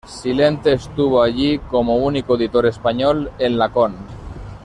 Silente estuvo allí como único editor español en la Con.